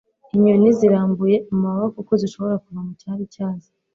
inyoni zirambuye amababa kuko zishobora kuva mucyari cyazo